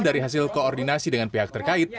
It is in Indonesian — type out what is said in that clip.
dari hasil koordinasi dengan pihak terkait